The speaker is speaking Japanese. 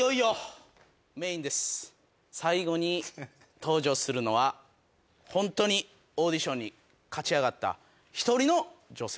さあ最後に登場するのはホントにオーディションに勝ち上がった１人の女性。